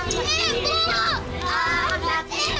kasih taunya tuh pelan pelan